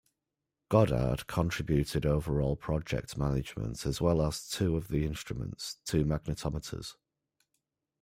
Goddard contributed overall project management as well as two of the instruments, two magnetometers.